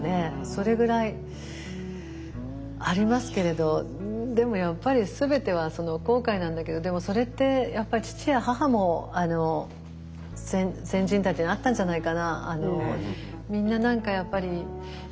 それぐらいありますけれどでもやっぱりでもそれって父や母も先人たちにあったんじゃないかな。